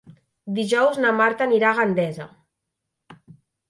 Dijous na Marta anirà a Gandesa.